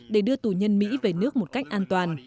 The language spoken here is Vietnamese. để đưa tù nhân mỹ về nước một cách an toàn